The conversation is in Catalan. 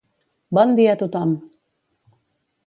Bon dia a tothom!